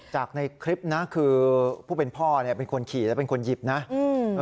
จากในคลิปนะคือผู้เป็นพ่อเนี่ยเป็นคนขี่และเป็นคนหยิบนะอืม